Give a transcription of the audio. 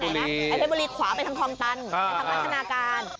ไฟบุรีขวาไปทางทองตันไปทางพัฒนาการ